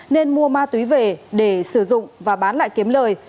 nên mua ma túy về để sử dụng và bán lại kiếm lời